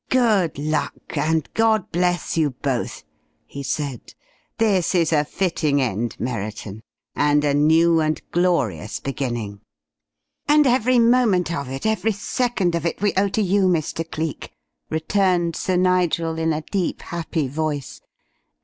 "Good luck and God bless you both," he said. "This is a fitting end, Merriton, and a new and glorious beginning." "And every moment of it, every second of it we owe to you, Mr. Cleek," returned Sir Nigel, in a deep, happy voice.